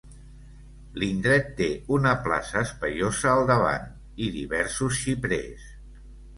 L'indret té una plaça espaiosa al davant, i diversos xiprers.